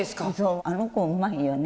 あの子うまいよね。